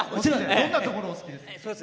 どんなところお好きですか？